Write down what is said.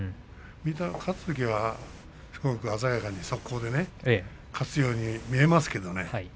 勝つときは鮮やかに速攻で勝つように見えますけれどもね。